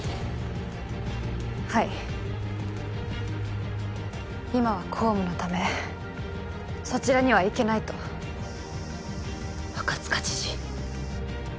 はい今は公務のためそちらには行けないと赤塚知事